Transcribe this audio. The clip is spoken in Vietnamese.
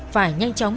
phải nhanh chóng